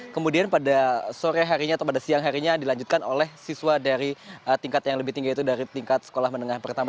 kemudian pada sore harinya atau pada siang harinya dilanjutkan oleh siswa dari tingkat yang lebih tinggi yaitu dari tingkat sekolah menengah pertama